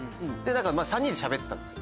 ３人でしゃべってたんですよ。